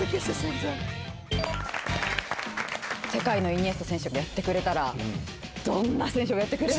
世界のイニエスタ選手がやってくれたらどんな選手もやってくれるかなと。